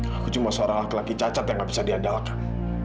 aku cuma seorang laki laki cacat yang gak bisa diandalkan